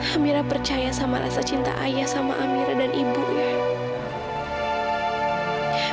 amira percaya sama rasa cinta ayah sama amira dan ibunya